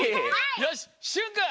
よししゅんくん。